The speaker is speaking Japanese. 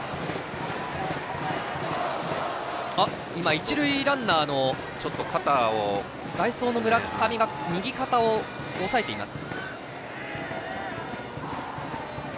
一塁ランナーの代走の村上が右肩を押さえています。